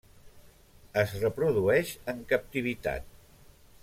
Es reprodueix en captivitat.